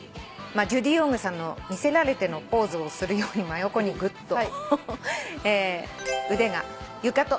ジュディ・オングさんの『魅せられて』のポーズをするように真横にぐっと。